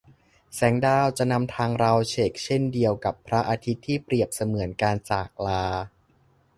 แสงดาวจะนำทางเราเฉกเช่นเดียวกับพระอาทิตย์ที่เปรียบเสมือนการจากลา